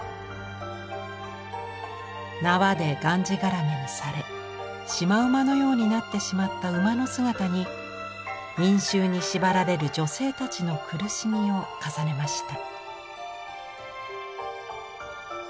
縄でがんじがらめにされシマウマのようになってしまった馬の姿に因習に縛られる女性たちの苦しみを重ねました。